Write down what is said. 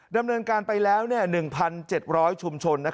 ดำเนินการไปแล้ว๑๗๐๐ชุมชน